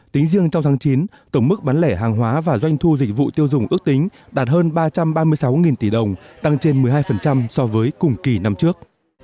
tính riêng trong tháng chín tổng mức bán lẻ hàng hóa và doanh thu dịch vụ tiêu dùng ước tính đạt hơn ba trăm ba mươi sáu tỷ đồng tăng trên một mươi hai so với cùng kỳ năm trước